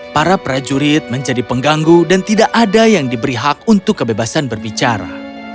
para prajurit menjadi pengganggu dan tidak ada yang diberi hak untuk kebebasan berbicara